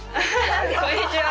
こんにちは。